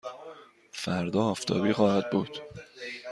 فردا آفتابی خواهد بود.